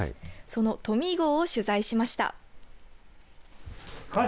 そのトミー号を取材しました。